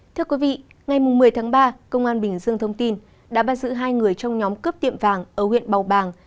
thưa quý vị ngày một mươi tháng ba công an bình dương thông tin đã bắt giữ hai người trong nhóm cướp tiệm vàng ở huyện bào bàng